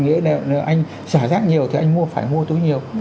nghĩa là anh xả rác nhiều thì anh mua phải mua túi nhiều